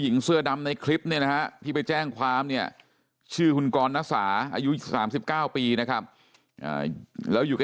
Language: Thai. ในคลิปนี้นะฮะที่ไปแจ้งความเนี่ยชื่อคุณกรณสาอายุ๓๙ปีนะครับแล้วอยู่